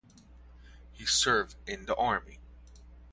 He served in the army.